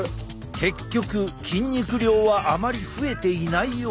結局筋肉量はあまり増えていないようだ。